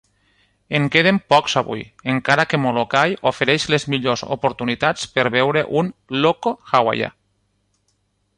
En queden pocs avui, encara que Molokai ofereix les millors oportunitats per veure un "loko" hawaià.